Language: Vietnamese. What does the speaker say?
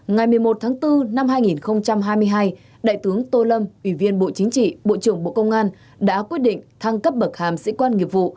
ngày một mươi một tháng bốn năm hai nghìn hai mươi hai đại tướng tô lâm ủy viên bộ chính trị bộ trưởng bộ công an đã quyết định thăng cấp bậc hàm sĩ quan nghiệp vụ